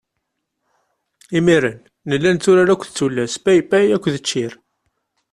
Imir-n nella netturar akked tullas paypay akked ččir.